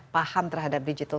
paham terhadap digital